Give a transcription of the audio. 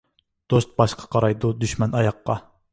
دوست باشقا قارايدۇ، دۈشمەن ئاياققا.